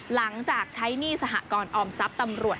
หลังจากใช้หนี้สหกรออมทรัพย์ตำรวจ